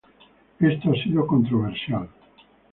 Esto ha sido controversial.